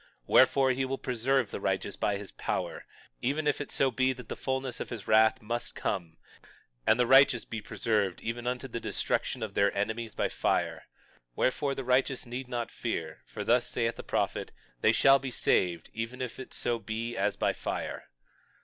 22:17 Wherefore, he will preserve the righteous by his power, even if it so be that the fulness of his wrath must come, and the righteous be preserved, even unto the destruction of their enemies by fire. Wherefore, the righteous need not fear; for thus saith the prophet, they shall be saved, even if it so be as by fire.